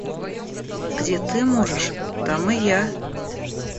Где ты можешь, там и я...